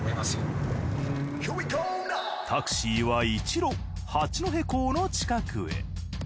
タクシーは一路八戸港の近くへ。